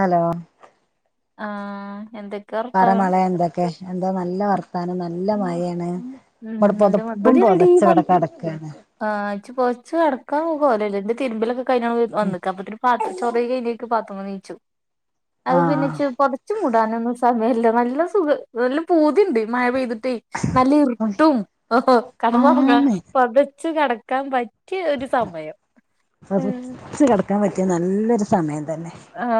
Hello ആഹ് എന്തൊക്ക് പറ മളേന്തൊക്കെ എന്താ നല്ല വർത്താനം നല്ല മഴേണ്. ഉം വിടെ നല്ല പൊതപ്പും പൊതച്ചവടെ കെടക്കാണ്. ആഹ്ച്ച് പോതച്ച്ടക്കാൻ കൊലല്ല ന്റെ തിരുമ്പിലൊക്കെ കഴിഞ്ഞവന്നക്ക അപ്പത്തിന് പ ചോറെയി കഴിഞ്ഞേക്ക് പാത്തുമ്മ നീച്ചും. അത് പിന്നെ ച്ച് ആഹ് പുതച്ചു മൂടാനൊന്നും സമയില്ല നല്ല സുഖ നല്ല പൂതിണ്ട് മഴ പെയ്തിട്ടേ നല്ല ട്ടും ഹ് ഹ് കടന്നൊർങ്ങാൻ ആന്ന് പുതച്ച് കടക്കാൻ പറ്റിയ ഒരു സമയം പുത്ച്ച് കിടക്കാൻ പറ്റിയ നല്ലൊരു സമയം തന്നെ. ആ്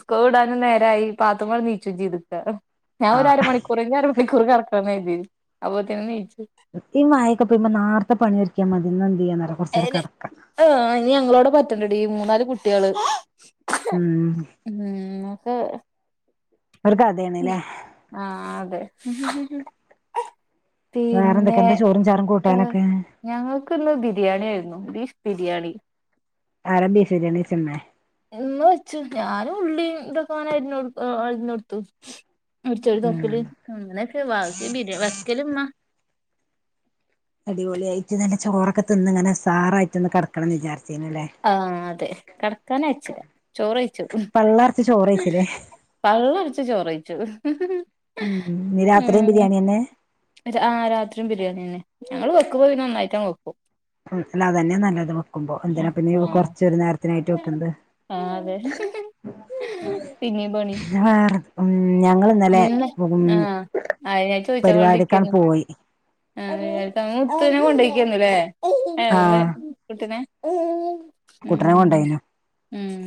സ്കൂൾ ടാനും നേരായി പാത്തുമ്മങ്ങട്ട് നീച്ചും ചെയ്തക്ക ഞാൻ ഒരു അര ആഹ് മണിക്ക് കുറഞ്ഞ അര മണിക്കൂറ് കടക്കണന്നെര്തീന്നു അപ്പത്തിന് നീച്ചു. ഈ മയക്കപെയ്യുമ്മ നാർത്തെ പണി ഒര്ക്കിയാമതി ന്നാ ന്ത്‌ യ്യാ ന്നോ അയ്ന് ആ നി ഞങ്ങളോടെ പറ്റൂലെടീ മൂന്നാല് കുട്ടിയേള് ഉം [unintelligible] ഒര് കഥയാണല്ലേ ആഹ് അതെ വേറെ എന്തൊക്കെ പിന്നെ എന്താ ചോറും ചാറും ഏ കൂട്ടാനൊക്കെ ഞങ്ങക്ക്ന്ന് ബിരിയാണി ആയിരുന്നു ബീഫ്ബിരിയാണി. ആരാ ബീഫ് ബിരിയാണി വെച്ചേ മ്മേ? ഇമ്മ വെച്ചു ഞാന് ഉള്ളീം തൊക്കെ ങ്ങനെ അര്ഞ് അര്ഞൊട്ത്തു. ഉം [unintelligible] അടിപൊളിയായിയിട്ട് നല്ല ചോറൊക്കെ തിന്ന്ങ്ങനെസാറായിട്ടൊന്ന് കട്ക്കണം വിചാരിച്ചീന്നു ലെ? ആഹ് അതെ കെട്ക്കാനയ്ച്ചില്ല ചോറെയ്ച്ചു. പള്ള നെറച്ച് ചോറ് കഴിച്ചില്ലേ പള്ളറച്ച് ചോറെയ്ച്ചു. ഉം ഉം ഞ്ഞി രാത്രിയും ബിരിയാണിന്നെ? ച്ച് ആ രാത്രിയും ബിരിയാണിന്നെ ഞങ്ങള് വെക്ക്മ്പോന്നെ ഒന്നായിറ്റ് അങ്ങ് വെക്കും. ഉം ല്ലാതന്നെ നല്ലത് വെക്കുമ്പോ എന്തിനാ പിന്നെ ആഹ് കുറച്ചൊരു നേരം എത്തിനായിട്ട് വെക്കുന്നത് ആ അതെ പിന്നീം പണി [unintelligible] ഞങ്ങള് ന്നലെ ആഹ് അത് ഞാൻ ചോയിച്ചാൻ പരിവാടിക്കാണ്ട് വേണ്ടിരിക്കായിരുന്നു പോവെയ് ന് [unintelligible] ആഹ് ഉം കുട്ട്നെ കൊണ്ടായ്നു ഉം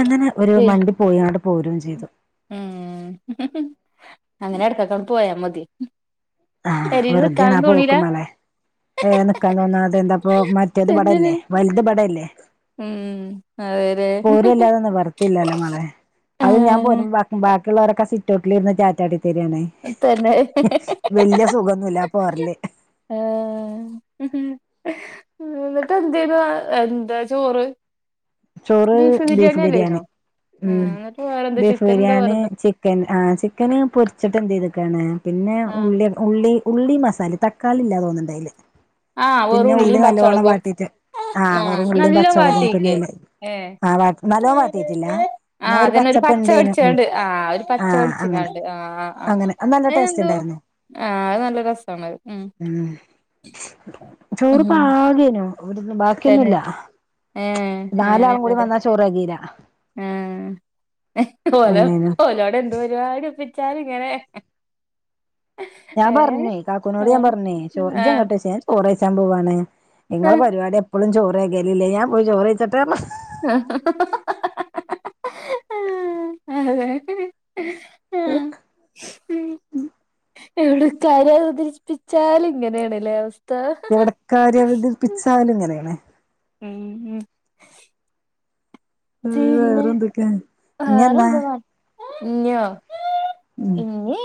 അങ്ങനെ ഒരു മണ്ടി പോയ് ങ്ങാണ്ട് പോരേം ചെയ്തു. ഉംഹ് ഹ് ഹ് അങ്ങനെ ട്ക്കൊക്കെആ ണ്ട് പോയാ മതി. ആഹ് പെരേല് വെറുതെണാ നിക്കാനൊന്നും തോണീല പോക്ക് മളെ ഏ നിക്കാന്ന് തോന്നാ അതെന്താപ്പൊ മറ്റേത് തന്നെല്ലേ ബടല്ലേ. വൽത് ബടല്ലേ. ഉം അതെ പോരല്ലാതെ നിവർത്തില്ലല്ലോ മളെ. അത് ഞാൻ ആഹ് പോരുമ്പോ [unintelligible] ബാക്കിയുള്ളവരൊക്കെ സിറ്റട്ടിലീ രിന്ന് റ്റാറ്റാടി തരിയണേ തന്നെ [unintelligible] വലിയ സുഖൊന്നുല്ല ആ പോരല് ആഹഉം ഉം എന്നിട്ട് എന്ത യന്നു എന്താ ചോറ് ചോറ് ബീഫ് ബിരിയാണി ഉം ആഹ് എന്നിട്ട് വേറെന്താ ബീഫ് ചിക്കൻ എന്താ ബിരിയാണി വേറെന്താ ചി [unintelligible] ചൻ ആ ചിക്കൻ പൊരിച്ചിട്ട് എന്ത് ചെയ്തക്കാണ് പിന്നെ ആഹ് ഉള്ളി ഉള്ളി ഉള്ളി മസാലിം തക്കാളി ഇല്ലാ തോന്നുന്നുണ്ടായില് ആഹ് വെറും ഉള്ളീം പച്ചളകോ ആഹ് ആഹ വെറും ഉള്ളിയും നല്ല പച്ചമുളകും പിന്നെ വാട്ടിക്ക് അയില് ഏ ആഹ് വാ ആ നല്ലോ വാട്ടിയിട്ടില്ല [unintelligible] എന്നാ അതന്നെ ഒരു പച്ചപ്പ് പച്ച ഇണ്ടേനു ഉം പടിച്ചൊണ്ട് ആ [unintelligible] പച്ച പി ആഹ് ടിച്ചക്കാ അങ്ങനെ ണ്ട് ആ് ആ് ആ് അങ്ങനെ അത് നല്ല ടേസ്റ്റ് അനെന്തോ ഉണ്ടായിരുന്നു ആഹ അത് നല്ല രസണ്ത് ഉം [unintelligible] ചോറ് ഉം പാകേനു ഇവിട ബാക്കിയൊന്നുംല്ല ഏ അങ്ങനെന്നല്ലേ ചോറ് തികയില്ല ആഹ [unintelligible] ഓലോ അങ്ങനെനു ഓലോടെ ഒരുപാട് ഒപ്പിച്ചാൽ ഇങ്ങനെ ഞാൻ ഏ പറഞ്ഞേ ഏ കാക്കൂനോട് ഞാൻ പറഞ്ഞേ ചോർ ആ ആ ജെ എങ്ങട്ടാ ചോയിച്ചു ഞാൻ ചോർയ്ച്ചൻ പോവാണ് അതെ നിങ്ങളെ പരിപാടി എപ്പോളും ചോറിക്കൽല്ലേ ഞാൻ പോയി ചോറ് കഴിച്ചാട്ടെ പറഞ്ഞു [unintelligible] അതെ. ഉം. [unintelligible] എവിടെ കാര്യ അവതരിപ്പിച്ചാലും ഇങ്ങനെയണല്ലേ അവസ്ഥ എവിടക്കാര്യ അവതരിപ്പിച്ചാലും ഇങ്ങനെയണെ ഉം ഉ ഉ [unintelligible] വേറെ എന്തൊക്കെ ക്ക വേറെ എന്തോ [unintelligible] ഭവാൻ ഇഞൊ ഉം ഇഞ്ഞോ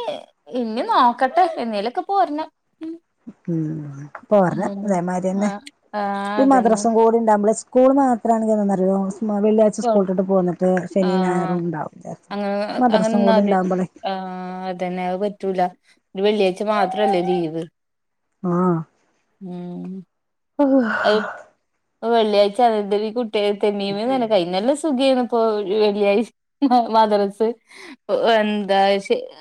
ഇഞ് നോക്കട്ടെ എന്നേലൊക്കെ പോരണം ഉം പോരണം ഉം. അതേമാതിരി ആ തന്നെ ആ ഈ അതന്നെ മദ്രാസും കൂടി ഇണ്ടമ്മളെ സ്കു സ്കൂൾ മാത്രമാണ് [unintelligible] യോ [unintelligible] സ്കൂളട്ടിട്ട് പോന്നട്ട് ശനി ഉം ആ ഞായർ ഉണ്ടാവും മദ്രസും കൂടി ഉണ്ടാവുമ്പോളേ ആഹ അതന്നെ അത് പറ്റൂലഒരു വെള്ളിയാഴ്ച മാത്രല്ലേ ലീവ് ആഹ ഉ അത് വെള്ളിയാഴ്ച അ [unintelligible] ണന്ത കുട്ടി തെമ്മീ [unintelligible] മ നനക്കയിെ [unintelligible] ല്ല സുഖിയാണ് [unintelligible] ഇപ്പോൊ വെള്ളിയാഴ്ച മദ്രസ് [unintelligible] എന്താ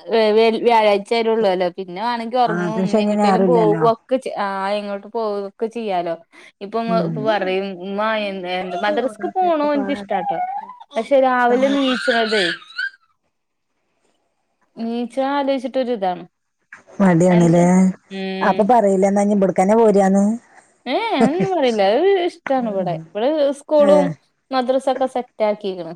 [unintelligible] വ്യാഴാഴ്ച ച്ചരെ ള്ളൂല്ലോ പിന്നെ വണെങ്കിൽ ആഹ് ഉറങ്ങും പിന്നെ എ ശനിയും ങ്ങിട്ടെലും ഞായറും ഇല്ലല്ലോ പോവാ ആ [unintelligible] പോവൊക്കെ ചെയ്യാലോ ഇപ്പൊ ഉം ഇപ്പൊ പറഞ്ഞീന് ഇമ്മ എന്താ മദ്രസ്ക്ക് പോണോന്ക്കിഷ്ടാട്ടോ പക്ഷെ രാവിലെ സമയത്ത് നീച്ച്ണത് നീച്ചാണ. ലോചിച്ച്ട്ടൊര്താണ് മടിയാണ്‌ലേ അപ്പൊ പറീലെ ന്നാ ഞ്ഞ് വ്ട്ക്കന്നെ പോരാന്ന് ഏ എ [unintelligible] അതൊന്നും പറീല് അ് [unintelligible] അ് [unintelligible] ഇഷ്ടാണ്വ്ടെ ഇവിടെ ഇസ്കൂളും ഏഹ് മദ്രസൊക്കെ സെറ്റാക്കീക്ണ്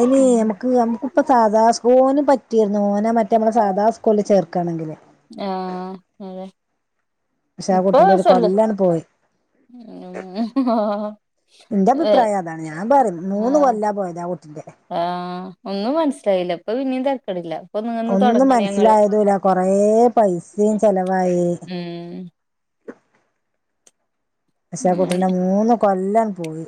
അയ്ന നമക്ക് നമക്ക്പ്പൊ സാദാസ് [unintelligible] ഓന് പ [unintelligible] റ്റെര്ന്നു ഓനെ മറ്റെമ്മളെ സാധാ സ്കൂളിൽ ചേർക്കാണെങ്കില് ആഹ് അതെ പക്ഷാ ആ ഇപ്പൊ കുട്ടിൻ്റൊരു സല്ല കൊല്ലാണ് പോയി ഏഹ് ഇന്റഭിപ്രായതാണ് ഞാൻ പറിം മൂന്ന് ആഹ് കൊല്ലാ പോയത് ആ കു ൻ്റെ [unintelligible] ആഹ് ഒന്നും മനസ്സിലായില്ല ഇപ്പൊ പിന്നിം തരക്കെടില്ല ഒന്നും മനസ്സിലായതൂല കൊറേ പൈസീം ചെലവായീ ഉം പക്ഷാ ആ അങ്ങനെ. കുട്ടിന്റെ മൂന്ന് കൊല്ലാണ്ട് പോയി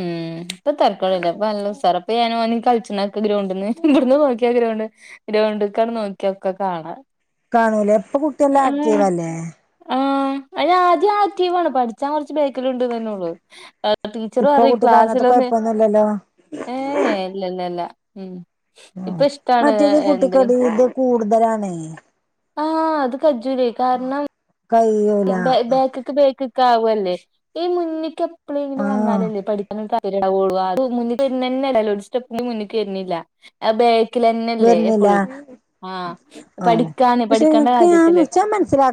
ഉം ഇപ്പൊ തരക്കെടില്ല ഇപ്പൊ നല്ലുശാറാ ഇപ്പൊ ഞാനോന് കള്ച്ച്ണ ക്ക് ഗ്രൗണ്ട്ന്ന് ഇബ്ട്ന്ന് നോക്കിയാ ഗ്രൗണ്ട് ഗ്രൗണ്ട്ക്കാണ്ട് നോക്കിയാ ഒക്കെ കാണാ കാണൂലേ ഇപ്പൊ കുട്ടി നല്ല ആഹ് ആക്ടീവല്ലേ? ആഹ് അയ്ന് ആദ്യേ ആക്റ്റീവാണ് പഠ്ച്ചാൻ കൊറച്ച് ബേക്ക്ല്ണ്ട്ന്നെന്നൊള്ളൂ ഇപ്പൊ കുട്ടിക്കങ്ങനത്തെ കൊയപ്പൊന്നൂല്ലല്ലോ? ഏഹ് എ ഇല്ല ല്ല ല്ല ഉം ഇപ്പൊ ഇഷ്ടാണ് മറ്റേത് എന്ത് കുട്ടിക്കെടീ ഇത് കൂട്തലാണ് ആഹ് അത് കജ്ജൂലെയ് കാരണം കയ്യൊ ബേ ബേക്ക്ക്ക് ബേക്ക്ക്ക് ആവല്ലേ ഈ മുന്ന്ക്ക് എപ്പളെങ്കിലും ആഹ് വന്നാലല്ലേ പഠിക്കാന് താൽ ണ്ടാവൊള്ളു അ ത് മുന്ന്ക്ക് വര്നെന്നെല്ല ഒരു സ്റ്റെപ്പ് മുന്ന്ക്കെര്ന്ന്ല്ല ആ ബേക്ക്‌ലന്നല്ലേ വരുന്നില്ല എപ്പളും ആഹ് ആഹ് പഠിക്കാന് പഠിക്കണ്ട കാര്യത്തില്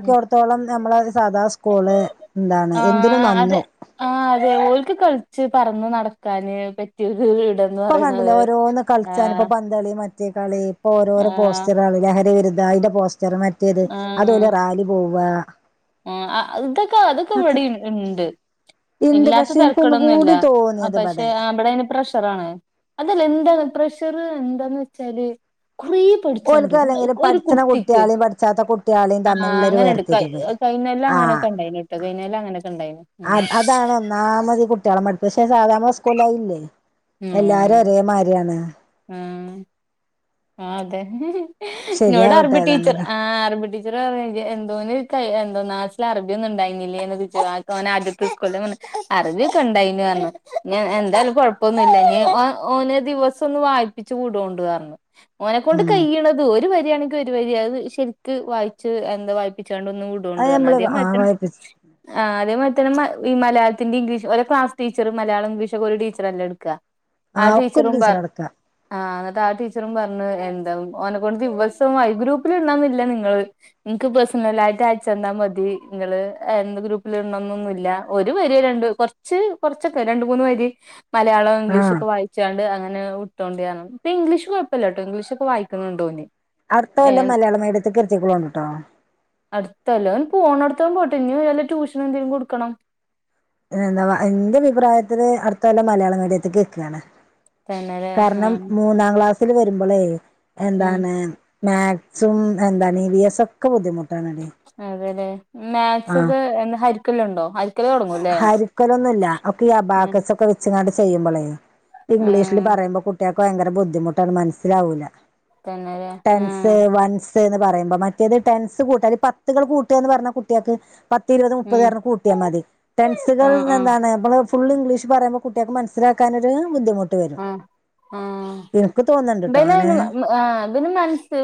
ഉം ത്തോളം നമ്മളെ സാധാ സ്കോള് ന്താണ് എന്തിന് ആഹ് നന്നു അതെ ആഹ് അതെ ഓൽക്ക് കള്ച്ച് പറന്ന് നടക്കാന് പറ്റിയൊര് ഇടം പ്പകണ്ടില്ലോ ഓരോന്ന് കള്ച്ചാന് പ്പ പ ന്തളി മറ്റേ കളി ഇപ്പൊരോരോ ആഹ് പോസ്റ്റ റാള് ലഹരിവിരുദ്ധ അയിന്റെ പോസ്റ്ററ് മറ്റെ ഏത് അതോല് ആഹ് റാലി പോവാ ആഹ് അ ഇതൊക്കെ അതൊക്കെ വെടിം ഇണ്ട് ഇണ്ട് ഇല്ലാത്ത പക്ഷെ എനിക്കൊന്നും തരക്കടൊന്നുല്ല കൂടി അ തോന്നിയത് പക്ഷെ ഇവിടെ അ ബടയ്ന് പ്രശ് ഷറാണ് അതിലെന്താണ് പ്രഷറ് എന്താന്ന് വെച്ചാല് കൊറേ പഠ്ച്ചാണ്ട് ഓൽക്ക് അല്ലെങ്കിൽ ഒര് പഠിച്ചണ കുട്ടിക്ക് കുട്ടികളെയും പഠിച്ചാത്ത കുട്ടികളെയും അ ആ തമ്മിലുള്ള ഒരു അങ്ങനെണ്ട് കൈ വേർതിരിവ് അ ആഹ് കൈഞൊല്ലങ്ങനൊക്കെണ്ടായിന്ട്ടൊ കൈഞൊല്ലങ്ങനൊക്കെണ്ടായിന് ഒന്നാമതി കുട്ട്യാളെ മടി പക്ഷേ സാധാ മ്മളെ സ്കൂളിലയില്ലെയ് ഉം എല്ലാരൊരേമാര്യാണ് ആഹ് ആ അതെ ശരിയാവട്ടെ ഇന്നോടറബിട്ടീച്ചർ ഏതാണേലും ആഹ് അറബി ടീ ടീച്ചറ് പറയാ ഇത് എന്തോന് ക നാട്ടിലറബിയൊന്നുണ്ടായിന്നില്ലേന്ന് ച്ച് ഓനാദ്യത്തെ സ്‌കൂ അറബിയൊക്കെണ്ടായ്ന് റഞ്ഞു ഞ്ഞെന്തായാലും കൊഴപ്പൊന്നുല്ല ഞ് ഓ ഓനെ ദിവസുംന്ന് വായി ച്ച് വിടോണ്ടു അർഞ്ഞു ഓനെക്കൊണ്ട് ഉം കയ്യ്ണത് ഒരു വരിയാണെങ്കി ഒര് വരി അത് ശെര്ക്ക് വായിച്ച് എന്താ വായിപ്പിച്ചാണ്ട് ഒന്ന് വി അത് ണ്ട് പറഞ്ഞതി നമ്മള് അതേ ആ മാര്ത വായിപ്പിച്ച് ആഹ് അതേ മാര്തന്നെ മ ഈ മലയാളത്തിൻ്റിഗ്ലീഷ് ഓലെ ക്ലാസ് ടീച്ചറ് മലയാളൊ ഇഗ്ലീഷൊക്കെ ഒരു ടീച്ചറല്ലെ എടുക്ക ആ ഒക്കെ ഒരു ടീച്ചറും ടീച്ചർ പർ അടക്ക ആ ന്നട്ടാ ടീച്ച് ച്ചറും പറഞ്ഞ് എന്താ ഓനകൊണ്ട് ദിവസൊ വാ ഗ്രൂപ്പില്ണ്ടാവണന്ന്ല്ല നിങ്ങള് നിക്ക് പേഴ്സണല ആായിട്ട് അയച്ചെന്നാൽ മതി നിങ്ങള് എന്ത് ഗ്രൂപ്പിൽ ഉണ്ടോന്നൊന്നുമല്ല ഒരു വരി രണ്ട്റ കുറച്ച് കുറച്ചൊക്കെ രണ്ട മൂന്ന് വരി മലയാളം ഇംഗ്ലീഷ് ആഹ് ഒക്കെ വായിച്ചാണ്ട് അങ്ങനെ വിട്ടോണ്ടി പറഞ്ഞു ഇപ്പൊ ഇംഗ്ലീഷ് ഇല്ലട്ടോ ഇംഗ്ലീഷൊക്കെ വായിക്കുന്നുണ്ടോന് അട്ത്ത കൊല്ലം മലയാളം മീഡിയത്തിൽ കൃത്തിക്കുള ഉണ്ട് കേട്ടോ അടുത്തല്ലോ പോണടുത്തോ പോട്ടെ ഇനി വല്ല ട്യൂഷൻ എന്തെങ്കിലും കൊടുക്കണം എന്താ എന്റെ അഭിപ്രായത്തില് അടുത്ത വല്ലം മലയാള മീഡിയത്തേക്ക് കേൾക്കുകയാണ് തന്നെല്ലേ കാരണം ആഹ് മൂന്നാം ക്ലാസ്സിൽ വരുമ്പോളേ ഉം എന്താണ് മാക്സും എന്താണീ വിയസ് ഒക്കെ ബുദ്ധിമുട്ടാണ്ട അതെല്ലെ മാക്സൊക്കെ എ ഹരിക്കലുണ്ടോ ഹരിക്കല് തുടങ്ങ ഹരിക്കലൊന്നുമ ഇല്ല ഒക്കെ ഈ ഉം അബാക്കസ ഒക്കെ വെച്ചങ്ങാട്ട് ചെയ്യുമ്പോളേ ഇംഗ്ലീഷില് ഉം പറയുമ്പോ കുട്ടികൾക്ക് ഭയങ്കര ബുദ്ധിമുട്ടാണ് മനസ്സിലാവൂല്ല തന്നെ ലേ വൻസ് എന്ന് പറയുമ്പോ മറ്റേത് ടെൻസ് കൂട്ട അ പത്തുകൾ കൂട്ടുകന്ന് പറഞ്ഞ കുട്ടികൾക്ക് പത്തി ഇരുപത് മുപ്പത് ഉം കാരണം കൂട്ടിയാൽ മതി ടെൻസുകൾ ആഹ് ആഹ് എന്താണ് നമ്മള് ഫുൾ ഇംഗ്ലീഷ പറയുമ്പോ കുട്ടിയക്ക് മനസ്സിലാക്കാന ഒരു ബുദ്ധിമു ആഹ് ആഹ് [unintelligible] തോന്ന്ണ്ട്ട്ടോ അങ്ങനെ ആഹ് പിന്ന മനസ്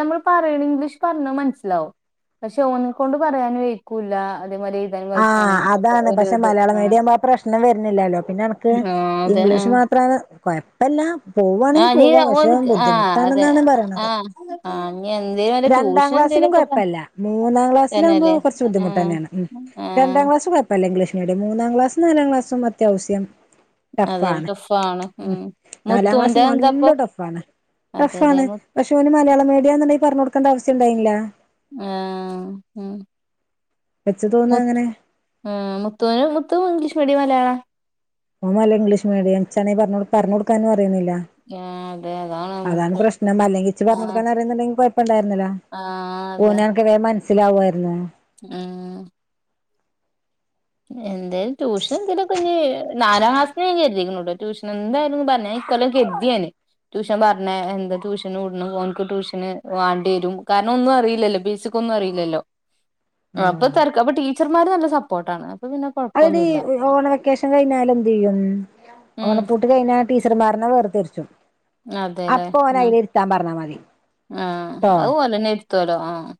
നമ്മൾ പറയണ ഇംഗ്ലീഷ് പറഞ്ഞ മനസ്സിലാവും പക്ഷെ ഓനെക്കൊണ്ട് പറയാൻ വെയ്ക്കൂലാ [unintelligible] ആഹ് അതാണ് പക്ഷെ മലയാളം മീഡിയംആവുമ്പ ആ പ്രശ്നം വരുന്നില്ലല്ലോ പിന്നെ എനക്ക് ആഹ് അതെ ഇംഗ്ലീഷ് ആഹ് മാത് ത്രാണ് ഭയം അതല്ല പോവാണെങ്കി ആഹ് നീ പോവാ പക്ഷേ ഓന്ക്ക് ആഹ് അതെ ബുദ്ധിമുട്ടാണെന്നാണ് പറയണത് ആഹ് ആഹ് ഇനി എന്തേലും വല്ല രണ്ടാം ട്യൂഷൻ ക്ലാസ്സിലും എന്തേലൊക്കെ കൊഴപ്പില്ല മൂന്നാം ക്ലാസ്സിലാകുമ്പോ തന്നെല്ലേ കുറച്ച് ബുദ്ധിമുട്ട് ആഹ് തന്നെയാണ് ഉം ആഹ് രണ്ടാം ക്ലാസ് കുഴപ്പമില്ല ഇംഗ്ലീഷ് മീഡിയം മൂന്നാം ക്ലാസ്സും നാലാംക്ലാസും അത്യാവശ്യം അതൊരു ടഫാണ് ടഫാണ് ഉം നാലാം ക്ലാസ്സ് മുത്തൂന്റെ എന്താപ്പൊ നല്ല ടഫാണ് അതെല്ലേ ടഫാണ് മു പക്ഷെ അവന് മലയാള മീഡിയം ആണെന്നുണ്ടെങ്കി പറഞ്ഞ് കൊടുക്കേണ്ട ആവശ്യംഉണ്ടായില്ല ആഹ് ഉം വെച്ചും തോന്ന അങ്ങനെ ഉം മുത്തൂനും മുത്തുവും ഇംഗ്ലീഷ് മീഡിയം മലയാളം ഒന്നുവല്ല ഇംഗ്ലീഷ് മീഡിയം എച്ചാണെ പറഞ്ഞു പറഞ്ഞു കൊടുക്കാനും അറിയുന്നില്ല ആ അതെ അതാണ് നമുക്ക് പ്രശ്നം അല്ലെങ്കി ഇച്ചി ആ പറഞ്ഞ് കൊടുക്കാൻ അറിയുന്നുണ്ടെങ്കിൽ കൊഴപ്പം ഇണ്ടായിരുന്നില്ല ആ ഓനക്ക് വേഗം മനസ്സിലാവുമായിരുന്ന് ആഹ് എന്തായാലും ട്യൂഷൻ എന്തലൊകൊണ്ടെങ്കി നാലാംക്ലാസിൽ [unintelligible] ട്യൂഷൻ എന്തായാലും പറഞ്ഞ കൊല്ലം കെഴ്തിയാണ് ട്യൂഷൻ പറഞ്ഞ എന്താ ട്യൂഷന് കൂട പോനിക്ക് ട്യൂഷന് വാണ്ടി വരും കാരണം ഒന്നും അയില്ലല്ലോ ഫീസ് ക്കൊന്നും അറിയില്ലല്ലോ ആഹ് അപ്പൊ ടീച്ചർമാർ നല്ല സപ്പോർട്ടാണ് അതെന്തേ കൊഴപ്പൊന്നുമില്ല ഓന വെക്കേഷൻ കഴിഞ്ഞാൽ എന്ത് ചെയ്യും ഉം ഓണപ്പൂട്ട് കഴിഞ്ഞാ ടീച്ചർമാരന വേർതിരിച്ചും അതെല്ലേ അപ്പൊ ഓന് ഉം അയില് ഇരുത്താൻ പറഞ്ഞാൽ മതി ആഹ് ട്ടോ അത് [unintelligible] ആഹ്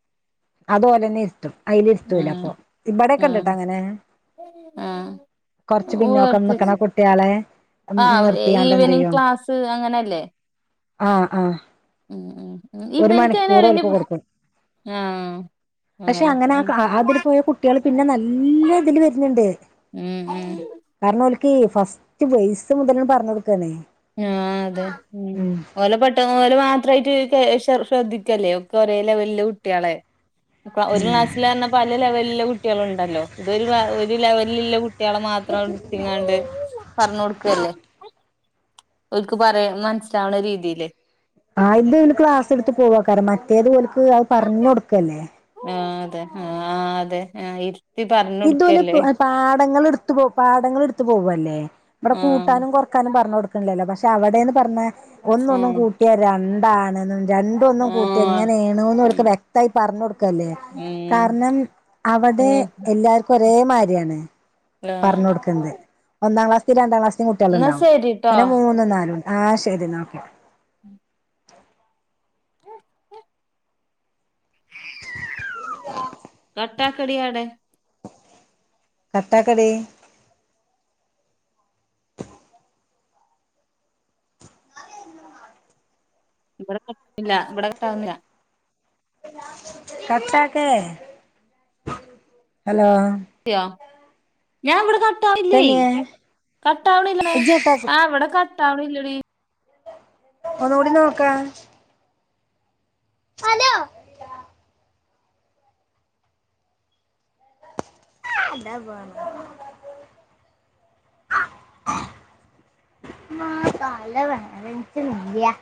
അത് ഒടനെ ഇരുത്തും അതിന് ഇരുത്തൂല ഉം അപ്പൊ ഇവിടെക്കെ ആ ഉണ്ട്ട്ടാ അങ്ങനെ ആ കൊറച്ച് പിന്നോക്കം നിക്കണ ഓർത്തിച്ച് കുട്ടികളെ ആഹ് നിർത്തിയാണ്ട് എന്ത് ഈവനിങ് ചെയ്യും ക്ലാസ്സ് അങ്ങനെയല്ലേ ആഹ് ആഹ് ഉം ഉം ഉം ഒരു ഇവനിക്ക് അങ്ങനെ മണിക്കൂറ് അറിഞ്ഞു ഓല്ക്ക് കൊടുക്കും ആഹ് പക്ഷെ അങ്ങനൊക്കെ അങ്ങനെ ഉം അതില് പോയ കുട്ടികള് പിന്നെ നല്ല ഇതില് വരുന്നുണ്ട് ഉം കാരണം ഓൽക്കീ ഫസ്റ്റ് വൈസ് മുതല് പറഞ്ഞ് കൊടുക്കല്ലേ ആഹ് അതെ ഓലെ പഠി ഓലെ മാത്രമായിട്ട് ശ്രദ്ധിക്കല്ലേ ഒക്കെ ഒരേ ലെവലില് കുട്ടികളെ ഒരു ക്ലാസ്സില് തന്ന പല ലെവലില കുട്ടികളുണ്ടല്ലോ ഇതൊരു ഒരു ലെവലിലുള്ള കുട്ട്യേളെ മാത്രം എട്ത്തിങ്ങാണ്ട് പറഞ്ഞൊടുക്കല്ലേ. ഓല്‍ക്ക് പറയണ മനസ്സിലാവണ രീതില് ആഹ് ഇത് ക്ലാസ് എടുത്ത് പോവ കാരണം മറ്റേത് ഓല്ക്ക് അത് പറഞ്ഞൊടുക്കല്ലേ ആഹ് അതെ ആഹ് അതെ ആ ഇതോലെ പാടങ്ങൾ എടുത്ത് പോ പാടങ്ങളെടുത്ത് പോവല്ലേ ഇവിടെ ആഹ് കൂട്ടാനും കൊറ ക്കാനും പറഞ്ഞൊടുക്കണില്ലല്ലോ പക്ഷെ അവിടെന്ന് പറഞ്ഞ ഒന്നൊന്നും ആഹ് കൂട്ടിയ രണ്ടാണ് രണ്ടൊന്നും കൂട്ടി ആഹ് എങ്ങനേണ്ന്ന് ഉം ഓൽക്ക് വ്യക്തായി പറഞ്ഞൊടുക്കല്ലേ ഉം കാരണം ഉം അവടെ എല്ലാർക്കൊരേമാര്യാണ് ആഹ് പറഞ്ഞൊടുക്ക്ന്നത് ഒന്നാം ക്ലാസിലേം രണ്ടാം ക്ലാസിലേം എന്നാ കുട്ടികളുണ്ടാവും ശരിട്ടോ പിന്നെ മൂന്നും നാലും ആ ശരി എന്ന ഓക്കെ [inaudible] കട്ടാക്കടീയാടേ കട്ടാക്കെടീ ഇവിടെ കട്ടില്ല ഇവിടെ കട്ടാവുന്നില്ല കട്ടാക്ക് ഹലോ ക്കിയോ ഞാവടെ കട്ടാവില്ലേ തന്നെ കട്ടാവണുല്ലേ ഇജ്ജ് കട്ടാക്ക് ആ ഇവടെ കട്ടാവണില്ലെടി ഒന്നൂടി നോക്ക് അലോ എന്താ പോണ്ട മ്മാ തല വേദൻച്ച് മിണ്ടിയ